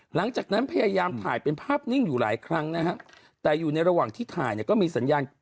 หลังจากนั้นพยายามถ่ายเป็นภาพนิ่งอยู่หลายครั้งนะฮะแต่อยู่ในระหว่างที่ถ่ายเนี่ยก็มีสัญญาณ